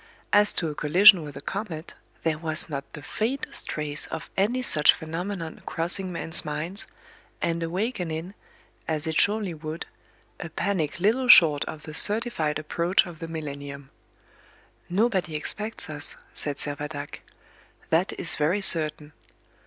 As to a collision with a comet, there was not the faintest trace of any such phenomenon crossing men's minds, and awakening, as it surely would, a panic little short of the certified approach of the millennium. "Nobody expects us," said Servadac; "that is very certain."